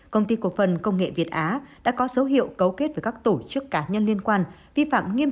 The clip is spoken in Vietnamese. công ty cộng nghệ việt á đã có dấu hiệu cấu kết với các tổ chức cá nhân liên quan vi phạm nghiêm